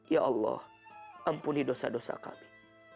ya allah ampuni dosa dosa kami